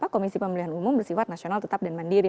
komisi pemilihan umum bersifat nasional tetap dan mandiri